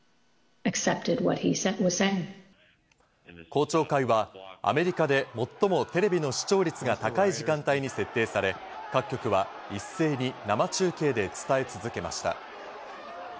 公聴会はアメリカで最もテレビの視聴率が高い時間帯に設定され、各局は一斉に生中継で伝え続けました。